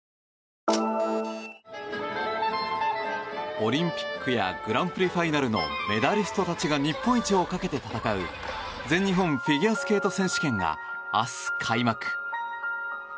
オリンピックやグランプリファイナルのメダリストたちが日本一をかけて戦う全日本フィギュアスケート選手権が明日、開幕。